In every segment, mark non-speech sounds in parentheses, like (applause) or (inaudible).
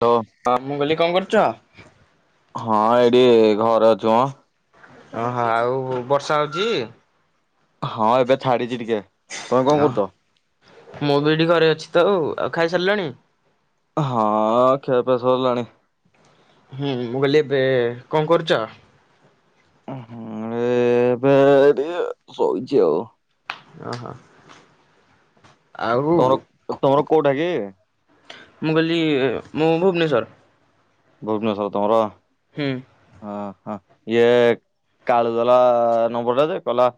ତ ହଁ ମୁଁ କହିଲି କଣ କରୁଚ? ହଁ ଏଇଠି ଘରେ ଅଛୁ ମ ଓହୋ ଆଉ ବର୍ଷା ହଉଛି? ହଁ ଏବେ ଛାଡିଛି ଟିକେ। ତମେ କଣ ଅ କରୁଛ? ମୁଁ ବି ଏଠି ଘରେ ଅଛି ତ ଆଉ ଖାଇସାରିଲଣି? ହଁ ଖିଆ ପିଆ ସରିଲାଣି। ହୁଁ ମୁଁ କହିଲି ଏବେ କଣ କରୁଚ? ହଁ ଏବେ ଟିକେ ସୋଇଚି ଆଉ। ଓହୋ ତମର ଆଉ ତମର କୋଉଟା କି ମୁଁ କହିଲି ମୁଁ ଭୁବନେଶ୍ୱର। ଭୁବନେଶ୍ୱର ତମର? ହୁଁ। ଅ ହଁ ଇଏ କାଳୁ ଦେଲା ନମ୍ବରଟା ଯେ କହିଲା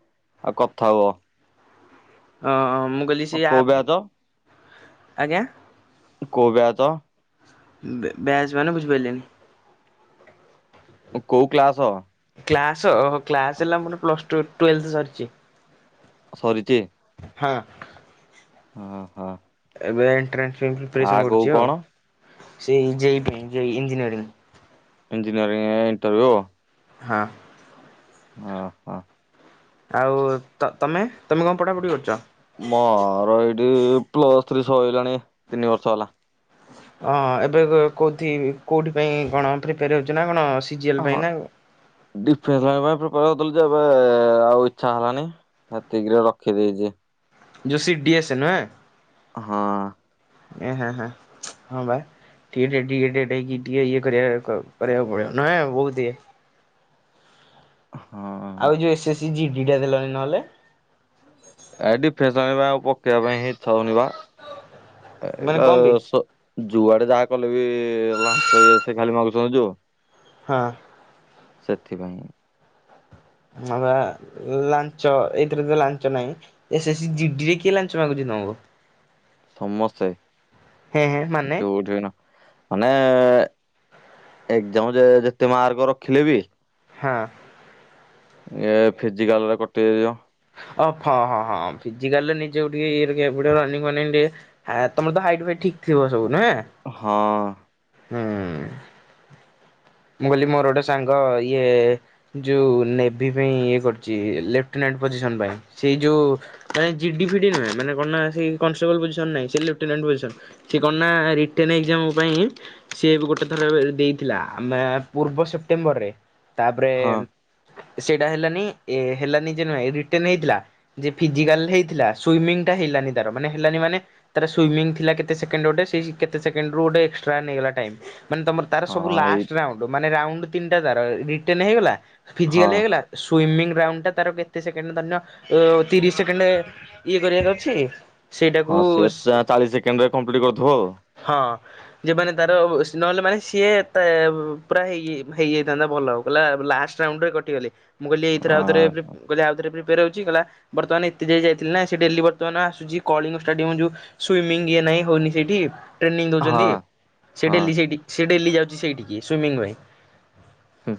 ଆଉ କଥା ହୁଅ। ହଁଁ ମୁଁକହିଲିସେ କୋଉ ଆପ୍ ବ୍ୟାଚ? ଆଜ୍ଞା କୋଉ ଗାଁ ତ ବେ ବ୍ୟାସ ମାନେ ବୁଛି ପାଇଲିନି। କୋଉ କ୍ଳାସ? କ୍ଲାସ ଓ କ୍ଲାସ ହେଲା ମୋର ପ୍ଲସ ଟୁ ଟୁଏସେ ସରିଛି। ସରିଛି। ହଁ। ହଁ ହଁ। ଏବେ ଏଣ୍ଟ୍ରାନ୍ସ ପାଇଁ ପ୍ରିପସ ଆଗକୁ କରୁଛି କଣ ଆଉ ସେଇଞ୍ଜିନିୟରି। ଇଞ୍ନୟରିଂ ଣ୍ଟରଭ୍ୟୁ। ହଁ। ହଁ। ଆଉ ତ ତମେ ତମେ କଣ ପଢ଼ା ପଢ଼ି କରୁଛ। ମୋର ଏଇଠି ପ୍ଲସ ଥ୍ରୀ ସଇଲାଣି ତିନି ବର୍ଷ ହେଲା। ହଁ ଏବେ କେଉଁଠି କେଉଁଠି ପାଇଁ କଣ ପ୍ରିପେୟାର ହେଉଛି ନା କଣ ସିଜିଏଲ୍ ପାଇଁ ହଁ। ନା ଡିଫେନ୍ସ ଲାଇ ପାଇଁ ପ୍ରିପାର ହଉଥିଲ ଯେ ଏବେ ଆଉ ଇ୍ଛା ହେଲାନି। ଏତିକିରେ ରଖିଦେଇଛି। ଯୋଶୀ ଡିଏସ ଏନ୍ ହଁ। ହଁ। ଏ ହ ହଁ ହଁ ଵା। ଟିକଏ ଟ ଟଏି ଟିକଏ ଇଏ କରିବା କରିବାକୁ ପଡ଼ିବ ନହଁ ବହୁତଏ। ହଁ। ଆଉ ଏ ଯେଉଁ ଏସ୍ଏସ୍ ସ ଜି ଡ଼ିଟା ଦେଲଣି ନହେଲେ। ଏଡିଫେସନ ପା ଆଉ ପକେଇବା ପାଇଁ ହିଁ ଇଛା ହଉନିବା ଏଇ ମାନେ ପା କଣ ପାଇଁ ସ ଯୁଆଡେ ଯାହା କଲେ ବି ଲାଞ୍ଚ ଇଏ ସେ ଖାଲି ମାଗୁଛନ୍ତି ଯୋଉ। ହଁ। ସେଥିପାଇଁ। ଆବା ଲାଞ୍ଚ ଏଥିରେ ତ ଲାଞ୍ଚ ନାହିଁ। ଏ ସେ ଜିଡିରେ କିଏ ଲାଞ୍ଚମାଗୁଛି ତମକୁ। ସମସ୍ତେ ହେଁ ହେଁ ମାନେ ଯୋଉଠିବ ନା ମାନେ ଏଜାମ ରେ ଯେତେ ମାର୍କ ରଖିଲେ ବି ହଁ। ଏ ଫିଜିକାଲ ରେ କଟି ଯ ଅ ହ ହ ହିଜିକାଲ ନିଜକୁ ଟିକେ ଇଏ ରଖିବାକୁ ପଡ଼ିବ ରାନିଙ୍ଗ ଫନିଙ୍ଗ ଟିକେ। ହଁ ତମର ତ ହାଇଟ ଫାଇ ଠିକ୍ ଥିବ ସବୁ ନାଁ। ହଁ। ହୁଁ। ମୁକହିଲି ମୋରଗଟେ ସାଙ୍ଗ ଇଏ ଯୋଉ ନେଭି ପାଇଁ ଇଏ କରୁଛି ଲେଫନାଣ୍ଟ ପୋଜିସନ ପାଇଁ ସେଇ ଯୋଉ ମାନେ ଜିଡି ଫିଡି ନୁହେଁ ମାନେ କଣ ନାଁ ସେଇ କନେଷ୍ଟବଳ ନାହଁ ସେ ଲେଫନାଣ୍ଟ ପୋଜିସନ୍। ସିଏ କଣ ନା ରିଟେର୍ନ ଏକ୍ଜାମ ମୋ ପାଇଁ ସିଏ ଏବେ ଗୋଟେ ଥର ଏବେ ଦେଇଥିଲା। ଆମେ ପୂର୍ବ ସେପ୍ଟେମ୍ବର ରେ ତାପରେ ହଁ ସେଇଟା ହେଲାନି ଏ ହେଲାନି ଯେ ନୁହେଁ ରିଟେର୍ନ ହେଇଥିଲା। ଯେ ଫିଜିକାଲ ହେଇଥିଲା ସୁଇମିଂ ଟା ହେଲାନି ତାର ମାନେ ହେଲାନି ମାନେ ତାର ସୁଇମିଂ ଥିଲା କେତେ ସେକେଣ୍ଡ ଗୋଟେ ସେଇ କେତେ ସେକେଣ୍ଡ ରୁ ଗୋଟେ ଏକ୍ସଟ୍ରା ନେଇଗଲା ଟାଇମ୍ ମାନେ ତମର ତାର ହଁ ସବୁ ଏଇ ଲାଷ୍ଟ ରାଉଣ୍ଡ ମାନେ ରାଉଣ୍ଡ ତିନିଟା ତାର ରିଟେନ୍ ହେଇଗଲା ଫିଜିକାଲ ହଁ। ହେଇଗଲା। ସୁଇମିଂ ରାଉଣ୍ଡଟା ତାର କେତେ ସେକେଣ୍ଡ ଧରିନିଅ ଉ ତିରିଶ ସେକେଣ୍ଡେ। ଇଏ କରିବାର ଅଛି। ସେଇଟାକୁ ହଁ ସିଏ ଚା ଚାଳିଶ ସେକେଣ୍ଡ ରେ କମ୍ପ୍ଲିଟ୍ କରିଥିବ ଆଉ। ହଁ ଯେ ମାନେ ତାର ସ୍ନଲ ମାନେ ସିଏ ତେ ପୁରା ହେଇଯାଇ ହେଇଯାଇଥାନ୍ତା ଭଲ କହିଲା ଲାଷ୍ଟ ରାଉଣ୍ଡରେ କଟିଗଲେ। ମୁଁ କହିଲି ଏଇଥର ଆଉଥରେ ପ୍ରି ମୁଁ କହିଲି ଆଉଥରେ ପ୍ରିପାୟର୍ ହଉଛି କଲା ବର୍ତ୍ତମାନ ଏତେ ଯାଏ ଯାଇଥିଲି ନା ସେ ଡେଲି ବର୍ତ୍ତମାନ ଆସୁଛି କଳିଙ୍ଗ ଷ୍ଟାଡିୟମ୍ ଯୋଉ ସୁଇମିଂ ଇଏ ନାଇ ହଉନି ସେଇଠି। ଟ୍ରେନିଂ ଆ ହଁ ଦଉଚନ୍ତି ସେ ହଁ। ଡେଲି ସେଇଟି ସେ ଡେଲି ଯାଉଛି ସେଇଠିକି ସୁଇମିଙ୍ଗ ପାଇଁ। ହୁଁ,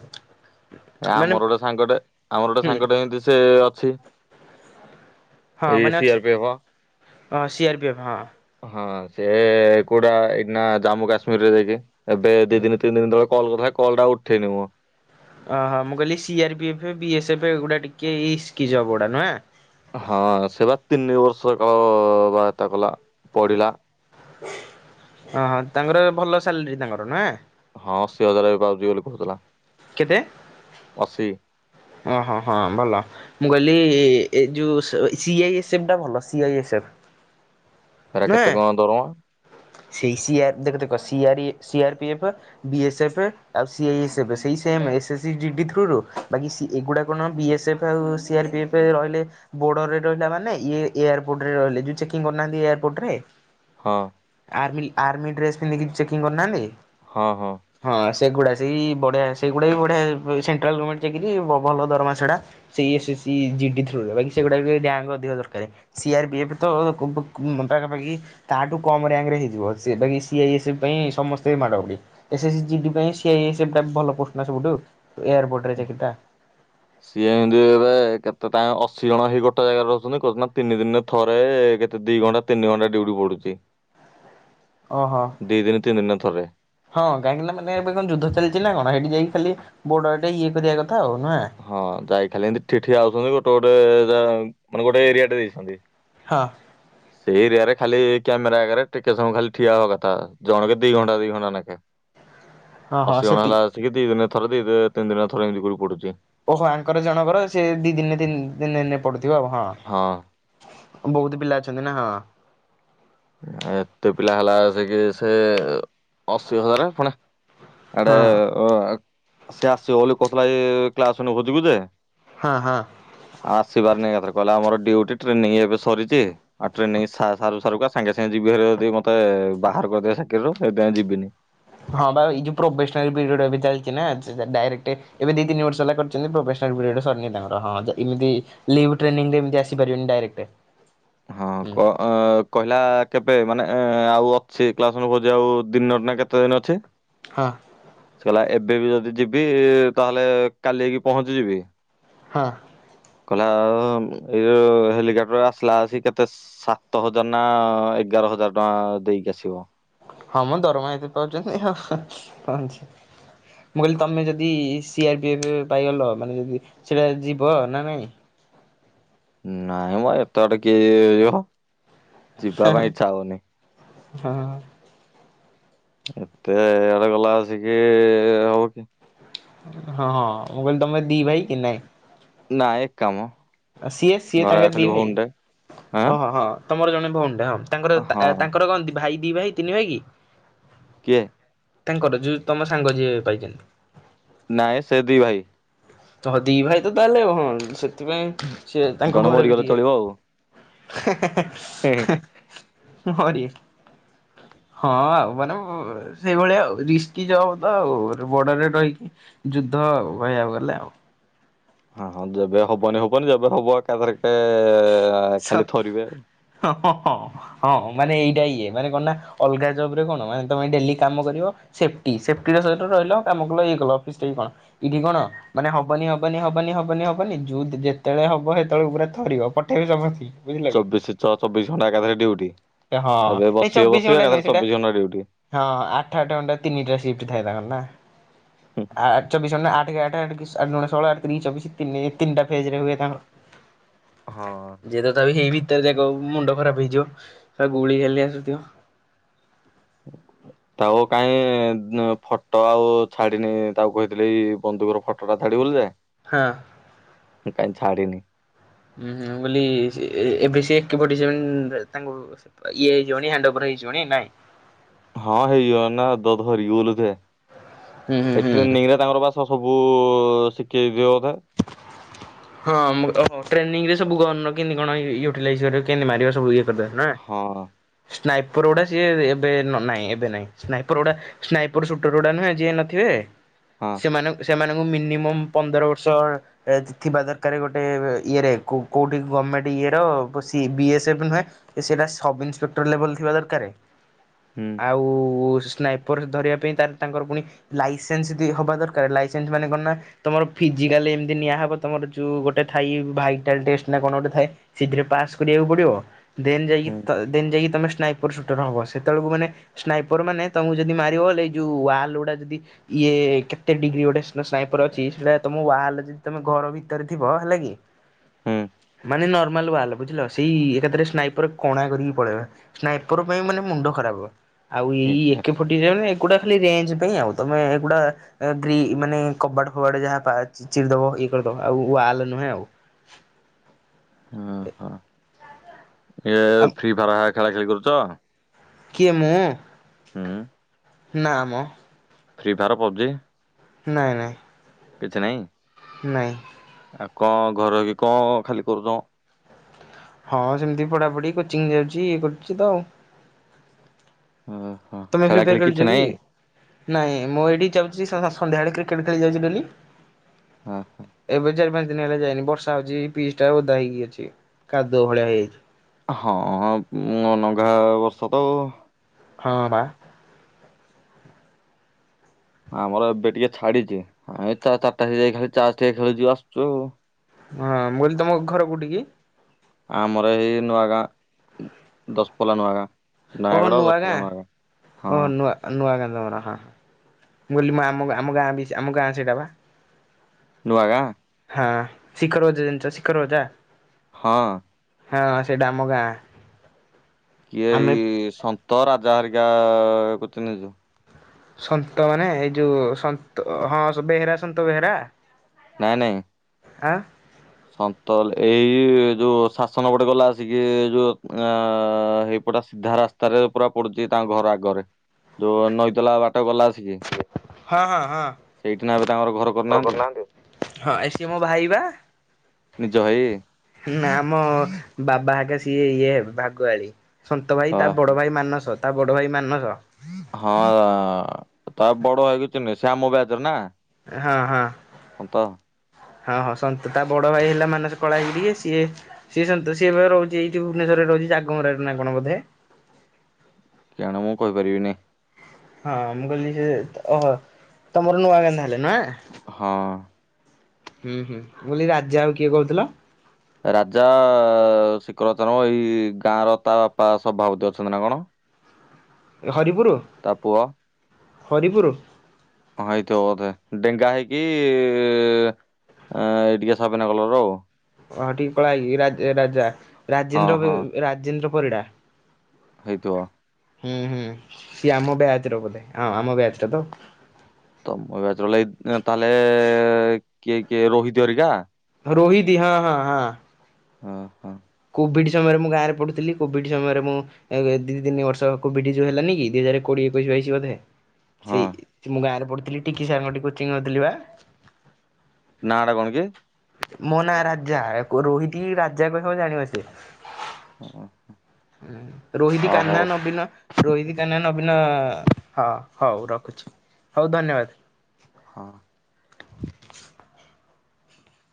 ଏ ମାନେ ଆମର ଗୋଟେ ସାଙ୍ଗଟେ ଆମର ଗୋଟେ ହୁଁ ସାଙ୍ଗଟେ ଏମିତି ସେ ଅଛି ଏଇ ମାନେ ସି ଅଛି ଆର ପି ହବ। ହଁ ସି ଆର୍ ପି ଏଫ୍ ହଁ। ହଁ ସିଏ କୋଉଟା ଏଇିଠି ନା ଜାମ୍ମୁ କାଶ୍ମୀରରେ ଯାଇକି। ଏବେ ଦି ଦିନ ତିନି ଦିନ ତଳେ କଲ୍ କରିଥିଲା କଲ୍ ଟା ଉଠେଇନି ମୁଁ। ଓହୋ ମୁଁ କହିଲି C R P F, B S F ଏଇଗୁଡା ଟିକେ ଇସ୍କି ଯବ ଗୁଡା ନୁହେଁ? ହଁ ସେ ବା ତିନି ବର୍ଷ କାଳ ଅ ବାହେତା କଲା ପଢିଲା। ଅ ହଁ ତାଙ୍କର ଭଲ ସାଲେରୀ ତାଙ୍କର ନୁହେଁ। ହଁ ଅଶୀ ହଜାର ଏବେ ପାଉଚି ବୋଲି କହୁଥିଲା। କେତେ? ଅଶୀ। ଅଁ ହଁ ହଁ ଭଲ। ମୁଁ କହିଲି ଏ ଯୋଉ ସ ସି ଆଇ ଏସ୍ ଏଫ ଟା ଭଲ ସି ଆଇ ଏସ୍ ଏଫ୍। ହେରା ନୁହେଁ। କେତେ କଁ ଦରମା? ସେଇ ସି ଆର୍ ଦେଖ ଦେଖ ସି ଆର୍ ଇଏ C R P F. B S F ଆଉ ସି ଆଇ ଏସ୍ ଏଫ୍ ସେଇ ସେମ୍ ଏସ୍ ଏସ୍ ଇ ଡିଡି ଥ୍ରୋରୁ ବାକି ସି ଏଗୁଡ଼ା କଣ ବି ଏସ୍ ଏଫ୍ ଆଉ ସି ଆର୍ ପି ଏଫ୍ ରହିଲେ ବୋର୍ଡରରେ ରହିଲା ମାନେ ଇଏ ଏୟାରପୋର୍ଟ ରେ ରହିଲେ ଯୋଉ ଚେକିଂ କରୁନାହାନ୍ତି ଏୟାରପୋର୍ଟ ରେ। ହଁ। ଆର୍ମିଲ ଆର୍ମି ଡ୍ରେସ୍ ପିନ୍ଧିକି ଚେକିଂ କରୁନାହାନ୍ତି। ହଁ ହଁ। ହଁ ସେଗୁଡା ସେଇ ବଢିଆ ସେଗୁଡା ବି ବଢିଆ ସେଣ୍ଟ୍ରାଲ ଗର୍ମେଣ୍ଟ ଚାକିରି ଭ ଭଲ ଦରମା ସେଡା। ସେଇ ଏସ ଏସ ଇ ଜିଡି ଥ୍ରୋ ରୁ ବାକି ସେଗୁଡ଼ାକ ର ରାଙ୍କ୍ ଅଧିକା ଦରକାରେ। ସି ଆର୍ ବି ଏଫ ତ ପାଖାପାଖି ତାହାଠୁ କମ୍ ରାଙ୍କ୍ ରେ ହେଇଯିବ ସି ବାକି ସି ଆଇ ଏସ୍ ଏଫ୍ ପାଇଁ ସମସ୍ତେ ମାଡ ଗୋଡ଼ି। ଏସ୍ ଏସ୍ ଜିଡି ପାଇଁ ସି ଆଇ ଏସ୍ ଏଫ୍ ଭଲ ପୋଷ୍ଟ ନା ସବୁଠୁ ଏୟାରପୋର୍ଟ ରେ ଚାକିରି ଟା। ସିଏ ଏମିତି ଏବେ କେତେ ତାଙ୍କ ଅଶୀ ଜଣ ହେଇ ଗୋଟେ ଜାଗାରେ ରହୁଛନ୍ତି କହୁଛନ୍ତି ନା ତିନି ଦିନରେ ଥରେ କେତେ ଦିଇ ଘଣ୍ଟା ତିନି ଘଣ୍ଟା ଡିଉଟି ପଡୁଛି। (inaudible) ଓହୋ ଦିଇଦିନ ତିନି ଦିନରେ ଥରେ। ହଁ କାହିଁକିନା ମାନେ ଏବେ କଣ ଯୁଦ୍ଧ ଚାଲିଛି ନା କଣ ହେଟି ଯାଇକି ଖାଲି ବୋଡ଼ର୍ ଟେ ଇଏ କରିବା କଥା ଆଉ ନୁଆଁ। ହଁ ଯାଇକି ଖାଲି ଏମିତି ଠି ଠିଆ ହଉଛନ୍ତି ଗୋଟେ ଗୋଟେ ଯା ମାନେ ଗୋଟେ ଏରିଆ ଟେ ଦେଇଛନ୍ତି। ହଁ। ସେଇ ଏରିଆରେ ଖାଲି କ୍ୟାମେରା ଆଗରେ ଟିକେ ସମୟ ଖାଲି ଠିଆହେବା କଥା ଜଣକେ ଦିଇ ଘଣ୍ଟା ଦିଇ ଘଣ୍ଟା ନେଖେ। (inaudible) ହଁ ହଁ ଅଶୀ ଗଣା ସେଠି ହେଲା ଆସିକି ଦିଇ ଦିନ ଥରେ ଦିଇ ତିନିଦିନ ଥରେ ଏମିତି କୋଉ ପଡୁଛି। ଓହୋ ଆଙ୍କର ଜଣଙ୍କର ସେ ଦିଇଦିନିତିନି ଦିନିନି ପଡୁଥିବ ହଁ। ହଁ। ବହୁତ ପିଲା ଅଛନ୍ତି ନା ହଁ। ଏତେ ପିଲା ହେଲାଆସିକି ସେ ଅଶୀ ହଜାରେ ଫୁଣି ଆଡେ ହଁ ସେ ଆସିବବୋଲିକହୁଥିଲା ଏ ଏ କ୍ଲାସ ନବ ବୁଝିବୁଜେ ହଁ ହଁ। ଆସିିବାରନି ଏକାଥିରେ କହିଲା ଆମର ଡିଉଟିଟ୍ରେନିଂ ଏବେ ସରିଛି ଆଉ ଟ୍ରେନିଂ ସାରୁସାରୁକା ସାଙ୍ଗେସାଙ୍ଗେ ଯିବିହେରି ଯଦି ମୋତେ ବାହାର କରିଦଦେବେ ଚାକିରୀରୁ ସେପାଇଁ ଯିବିନି। ହଁବା ଏଇଯଉ ପ୍ରୋଵେସନପିରିୟଡ ଏଵେ ଚାଲିଛି ନା ଡାଇରେକ୍ଟ ଏବେ ଦିତିନି ବର୍ଷ ହେଲା କର ଛନ୍ତି ପ୍ରୋବେସନପିରିୟଡ ସରିନି ତାଙ୍କର ହଁଯେ ଇଦିଇ ଲିଉଟ୍ରେନିଂ ଏମତିଆସିପାରିବେନି ଡାଇରେକ୍ଟ। ହଁ ହୁଁ କଅ ଆପ୍। କହିଲା କେବେ ମାନେ ଏ ଆଉ ଅଛି କ୍ଲାସଭୋଜିଆଉ ଦିନ ନା କେତେଦିନଅଛି। ହଁ ସେକହିଲା ଏବେବି ଯଦି ଯିବି ତାହେଲେ କାଲିହେଇକି ପହଞ୍ଚିଯିବି। ହଁ। କହିଲା ଆଉ ଏଇ ଯୋ ହେଲିକପ୍ଟର ଆସିଲାଆସିକି କେତେ ସାତହଜାର ନା ଏଗାରହଜାର ଟଙ୍କା ଦେଇକି ଆସିବ। ହଁମ ଦରମା ଏଥି ପାଉଛନ୍ତି ଅ କଅଛି ମୁଁକହିଲି ତମେଯଦି ସି ଆର୍ ପି ଏଫ୍ ପାଇଗଲ ମାନେଯଦି ସେଇଟା ଯିବ ନା ନାହିଁ? ନାଇଁ ମ ଏତେ ବାଟ କିଏ ଯିହ। ଯିବାପାଇଁ ଇଚ୍ଛାହଭନି। ହଁ ଏତେ ଇଆଡେ ଗଲାଆସିକି ହବ କି ହଁହଁ ମୁଁକହିଲି ତମେଦିଭାଇ କିନାଇଁ। ନାଇ କାମ। ଆଉ ସିଏ ଘରେ ସିଏତାଙ୍କର ଦି ଖାଲି ଭାଇ ଭଉଣୀଟେ ଆଁ ଓହ ହଁ। ତମରଜଣେ ଭଉଣୀଟା ହଁ ତାଙ୍କର ହଁ ତାଆ ତାଙ୍କରକଣ ଭାଇ ଦିଭାଇ ତିନିଭାଇ କି? କିଏ। ତାଙ୍କର ଯୋଉ ତମ ସାଙ୍ଗ ଯିଏ ପାଇଛନ୍ତି। ନାଇଁ ସେ ଦିଭାଇ। ତହ ଦିଭାଇ ତ ତାହେଲେଆଉ ସେଥିପାଇଁ ସିଏ ତାଙ୍କ ଜଣେ ଘରେ ବି ମରିଗଲେ ଟିଏ ଚଳିବ ଆଉ। ହେଏହେଏହେଏ ହେଏ ଏ ମରି। ହଁଆଉ ମାନେ ଭୁ ସେଇଭଳିଆଆଉ ରିସ୍କି ଯବ ତ ଆଉ ବଡରରେ ରହିକି ଯୁଦ୍ଧ କହିବାକୁ ଗଲେ ଆଉ। ହ ହଁ ଯେବେ ହବନିହବନି ଯେବେହବ ଏକାଥରିକେଏଏଏ ସା ହଁ ହଁ ହଁ। ହଁ ମାନେ ଏଇଟାଇଏ ମାନେକଣ ନା ଅଲଗା ଜବରେ କଣ ୟାଙ୍କ ପାଇଁ ଡେଲି କାମ କରିବ। ସେଫ୍ଟି ସେଫ୍ଟିରସହିତରହିଲ କାମକଲଇଏକଲ ଅଫିସ ଠେଇ କଣ? ଇଠି କଣ? ମାନେ ହବନି ହବନି ହବନି ହବନି ହବନି ଯଉ ଯେତେବେଳେ ହବ ସେତେବେଳେ ପୁରା ଥରିବ ପଠେଇବି ସମସ୍ତି। ଚବିଶି ଛ ଚବିଶ ଘଣ୍ଟା ଏକାଥରେ ଡିଉଟି ହଁ ଏବେ ନାଇଁ ବସିବ ଚବିଶ ବସିବେ ଘଣ୍ଟା ନୁହେଁ ଏକାଥରେ ସେଇଟା ଚବିଶ ଘଣ୍ଟା ଡିଉଟି। ହଁ ଆଠଆଠ ଘଣ୍ଟା ତିନିଟା ସିଫ୍ଟ ଥାଏ ତାଙ୍କର ନା। ହୁଁଁ। ଆ ଚବିଶ ଘଣ୍ଟାନା ଆଠକେଆଠ ଆଠତିଆଠଦୁଗୁଣେଷୋହଳ ଆଠତିରକିଚବିଶି ତିନି ତିିନଟା ଫେଜ୍ରରେ ହୁଏ ତାଙ୍କର। ହଁ। ଯିଏ ଦେଖ ତଥାପି ଏଇ ଭିତରେ ଦେଖ ମୁଣ୍ଡ ଖରାପ ହେଇଯିବ। ବା ଗୁଳି ଖାଲି ଆସୁଥିବ। (inaudible) ଥାଉ କାଇଁ ଫଟୋ ଆଉ ଛାଡିିନି ତାକୁ କହିଥିଲି ଏଇବନ୍ଧୁକର ଫଟୋ ଫଟଟା ଛାଡ଼ିବୁ ବୋଲି ହଁ। ଯେ କାହିଁ ଛାଡିିନି। ହୁଁ ହୁଁ ବୋଲି ଏବେ ସେ ଏକପଟେ ସେ ତାଙ୍କୁ ଇଏ ହେଇଯିବଣିି ହେଣ୍ଡ ଓଭର ହେଇଯିବଣି ନାଇଁ। ହଁ ହେଇଯିବ ନା ଧରିକି ବୁଲୁ ହୁଁ ହୁଁ ଥାଏ ହୁଁ। ଟ୍ରେନିଂରେ ତାଙ୍କର ସବୁ ଶିଖେଇ ଦିଏ ବଧେ ହଁ ଟ୍ରେନିଂ ରେ ସବୁ କେମତି କଣ ୟୁଟିଲାଇଜରେ କେମିତି ମାରିବ ସବୁ। ହଁ ସ୍ନାଇପର ଗୁଡା ସିଏ ଏବେ ନାହିଁ ଏବେ ନାଇଁ ସ୍ନାଇପର ଗୁଡା ସ୍ନାଇପର ସୁଟର ଗୁଡା ନୁହେଁ ଯିଏ ନଥିବେ ହଁ ସେମାନ ସେମାନଙ୍କୁ ମିନିମମ୍ ପନ୍ଦର ବର୍ଷ ଏଜ୍ ଥିବା ଦରକାର ଗୋଟେ ଇଏରେ କୋଉଠି ଗଭର୍ଣ୍ଣମେଣ୍ଟ୍ ଇଏର ସି ବିଏସ୍ଏଫ୍ ନୁହେଁ। ସେଇଟା ସବ ଇନ୍ସପେକ୍ଟର ଲେବଲ ଥିବା ଦରକାର। ହୁଁ। ଆଉ ସ୍ନାଇପର୍ ଧରିବା ପାଇଁ ତ ତାଙ୍କର ପୁଣି ଲାଇସେନ୍ସ ଦି ହବା ଦରକାର ଲାଇସେନ୍ସ ମାନେ କଣ ନା ତମର? ଫିଜିକାଲି ଏମିତି ନିଆ ହେବ ତମର ଯୋଉ ଗୋଟେ ଥାଏ ଭାଇଟାଲ୍ ଟେଷ୍ଟ ନା କଣ ଗୋଟେ ଥାଏ? ସେଥିରେ ପାସ୍ କରିବାକୁ ପଡିବ ଦେନ୍ ଯାଇକି ହୁଁ ଦେନ୍ ଯାଇକି ତମେ ସ୍ନାଇପର ସୁଟର ହବ ସେତେବେଳକୁ ମାନେ ସ୍ନାଇପର ମାନେ ତମକୁ ଯଦି ମାରିବ ଇଏ ଯୋଉ ୱାଲ ଗୁଡା ଯଦି ଇଏ କେତେ ଡିଗ୍ରୀ ଗୋଟେ ସ୍ନାଇପର ଅଛି ସେଇଟା ତମ ୱାଲ୍ ହେଲେ ଯଦି ତମେ ଘର ଭିତରେ ଥିବ ହେଲା କି? ହୁଁ। ମାନେ ନର୍ମାଲ ୱାଲ୍ ହେଲା ବୁଝିଲ ସେଇ ଏକାଥରେ ସ୍ନାଇପର କଣା କରିକି ପଳେଇବ। ସ୍ନାଇପର ପାଇଁ ମାନେ ମୁଣ୍ଡ ଖରାପ ଆଉ ଏଇ ଏଇଆ। ଏକ ଫର୍ଟି ସେଭେନ ଏଗୁଡା ଖାଲି ରେ୍ଞ୍ଜ ପାଇଁ ଆଉ ତମେ ଏଗୁଡା ମାନେ ଗ୍ରୀ କବାଟ ଫବାଟ ଯାହା ପାଚ୍ ଚିରିଦବ ଇଏ କରିଦବ ଆଉ ୱାଲ୍ ନୁହେଁ ଆଉ ହଁ ଏ। ହଁ ଇଏ ଫ୍ରି ଫାର ହେଳା ଖେଳା ଖେଳି କରୁଚ? କିଏ ମୁଁ? ହୁଁ ନାମ। Free Fire PUBG. ନାଇଁ ନାଇଁ। କିଛି ନାହିଁ। ନାଇଁ। ଆଉ କଣ ଘରେ ରହିକି କଣ ଖାଲି କରୁଛମ? ହଁ ସେମିତି ପଢାପଢି କୋଚିଂ ଯାଉଛି ଇଏ କରୁଛି ତ ଆଉ ଅହ। ତମେ ଫ୍ରିଫାୟାର ଖେଳୁଛ କି ନାଇଁ ମୁଁ ଏଇଠି ଯାଉଛି ସନ୍ଧ୍ୟାବେଳେ କ୍ରିକେଟ ଖେଳି ଯାଉଛି ଡ଼େଲି। ହଁ। ଏବେ ଚାରି ପାଞ୍ଚ ଦିନ ହେଲା ଯାଇନି ବର୍ଷା ହଉଛି ପିଜ ଟା ଓଦା ହେଇକି ଅଛି କାଦୁଅ ଭଳିଆ ହେଇଯାଇଛି। ହଁ ନଘା ବର୍ଷା ତ ଆଉ ହଁ ବା। ଆମର ଏବେ ଟିକେ ଛାଡିଛି ଆମେ ଚାରିଟା ଯାଇ ତାସ୍ ଟିକେ ଖେଳୁଚୁ ଆସୁଚୁ। ହଁ ମୁଁ କହିଲି ତମ ଘର କୋଉଠି କି? ଆ ଆମର ଏଇ ନୂଆ ଗାଁ ଦଶପଲ୍ଲା ନୂଆ ଗାଁ। ଓହୋ ନୟାଗଡ ନୁଆ ଗାଁ ଦଶପଲ୍ଲା ନୂଆ ହଁ ଅହ ନୁଆ ନୂଆ ଗାଁ ତମର ହଁ ହଁ ମୁଁ କହିଲି ମୁଁ ଆମ ଆମ ଗାଁ ବି ଆମ ଗାଁ ସେଇଟା ବା। ନୁଆ ଗାଁ। ହଁ ଶିଖରଜେ ଜିନିଷ ଶିଖର ଅଜା। ହଁ ହଁ ସେଇଟା ଆମ ଗାଁ। ଆମେ ଏଇ ସନ୍ତ ରାଜା ହରିକା କୋଚିଂ ନେଇଚନ୍ତି ସନ୍ତ ମାନେ ଏଇ ଯୋଉ ସନ୍ତ ହଁ ବେହେରା ସନ୍ତ ବେହେରା। ନାଇଁ ନାଇଁ ଆ ସନ୍ତଲ ଏଇ ଯୋଉ ଶାସନ ଗୋଟେ ଗଲା ଆସିକି ଯୋଉ ଆ ହେଇ ଟା ସିଧା ରାସ୍ତାରେ ପୁରା ପଡୁଛି ତାଙ୍କ ଘର ଆଗରେ। ଯୋଉ ନଇତଲା ବାଟ ଗଲା ଆସିକି ହଁ ହଁ ସେଇଠି ନା ଏବେ ତାଙ୍କର ଘର କରିନାହାନ୍ତି। ହଁ। ହଁ ଏ ସିଏ ମୋ ଭାଇ ବା। ନିଜ ଭାଇ? ନା ଆମ ବାବା ହେରିକା ସିଏ ଇଏ ହେ ଭାଗୁଆଳି। ସନ୍ତ ଭାଇ ଅ, ତା ବଡ଼ ଭାଇ ମାନସ ତା ବଡ଼ ଭାଇ ମାନସ। ହଁ ତା ବଡ ଭାଇ ବି ଚିହ୍ନେ ସେ ଆମ ବ୍ୟାଚର ନା। ହଁ ହଁ ସନ୍ତ ହଁ ହଁ ସନ୍ତୁ ତା ବଡ ଭାଇ ହେଲା ମାନସ କଳା ହେଇକି ଟିକେ ସିଏ ସିଏ ସନ୍ତୁ। ସିଏ ବା ରହୁଛି ଏଇଠି ଭୁବନେଶ୍ୱରରେ ରହୁଛି ଜାଗମରାରେ ନା କଣ ବୋଧେ। କେଆଣି ମୁଁ କହିପାରିବିନି। ହଁ ମୁ କହିଲି ସେ ଓ ହୋ ତମର ନୂଆଗାଁ ଧାହାଲେ ନୁହଁ? ହଁ। ହୁଁ ହୁଁ ମୁଁ କହିଲି ରାଜା ଆଉ କିଏ କହୁଥିଲ। ରାଜା ଶିଖରତନ ମ ଏଇ ଗାଁ ର ତା ବାପା ସଭାପତି ଅଛନ୍ତି ନା କଣ? ହରିପୁରୁ? ତା ପୁଅ। ହରିପୁରୁ। ହଁ ହେଇଥିବ ବୋଧେ ଡେଙ୍ଗା ହେଇକି ଏଁ ଟିକେ ସାବନା କଲର ର ଓ। ଓ ହୋ ଟିକେ କଳା ହେଇକି ରାଜ ରାଜା ହଁ ରାଜେନ୍ଦ୍ର ବି ହଁ ରାଜେନ୍ଦ୍ର ପରିଡ଼ା। ହେଇଥିବ। ହୁଁ ହୁଁ ସିଏ ଆମ ବ୍ୟାଚ ର ବୋଧେ ଆମ ବ୍ୟାଚ ଟା ତ। ତମ ବ୍ୟାଚର ଲାଇଫ୍ ତାହେଲେ କିଏ କିଏ ରୋହିତ୍ ହରିକା? ରୋହିତ୍ ହଁ ହଁ ହଁ। ହୋ ହୋ କୋଭିଡ଼୍ ସମୟରେ ମୁଁ ଗାଁରେ ପଢ଼ୁଥିଲି କୋଭିଡ଼୍ ସମୟରେ ମୁଁ ଏ ଦି ତିନି ବର୍ଷ କୋଭିଡି ଯୋଉ ହେଲାନି କି ଦିଇ ହଜାରେ କୋଡିଏ ଏକୋଇଶ ବାଇଶ ବୋଧେ? ହଁ ସେଇ ମୁଁ ଗାଁ ରେ ପଢୁଥିଲି ଟିକି ସାରଙ୍କଠି କୋଚିଂ ନୋଉଥିଲି ବା। ନାଁ ଟା କଣ କି? ମୋ ନାଁ ରାଜା ରୋହିତ ରାଜା କହିବ ଜାଣି ହଁ ପାରିତେ। ରୋହିତ୍ ହଉ କାହ୍ନା ନବିନ। ରୋହିତ କାହ୍ନା ନବୀନ ହଉ ଧନ୍ୟବାଦ୍। ହଁ